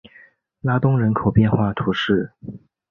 拉东人口变化图示